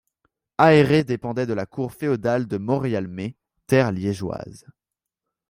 Ahérée dépendait de la cour féodale de Morialmé, terre liégeoise.